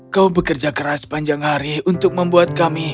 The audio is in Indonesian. kau bekerja keras panjang hari untuk membuat kami